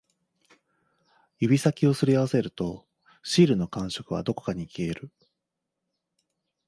指先を擦り合わせると、シールの感触はどこかに消える